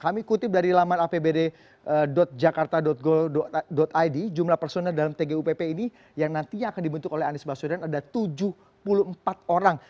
kami kutip dari laman apbd jakarta go id jumlah personel dalam tgupp ini yang nantinya akan dibentuk oleh anies baswedan ada tujuh puluh empat orang